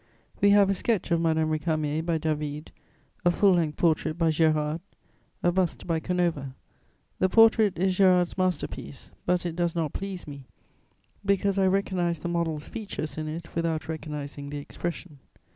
We have a sketch of Madame Récamier by David, a full length portrait by Gérard, a bust by Canova. The portrait is Gérard's master piece; but it does not please me, because I recognise the model's features in it without recognising the expression.